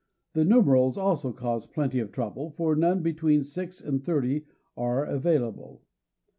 The numerals also cause plenty of trouble, for none between six and thirty are available.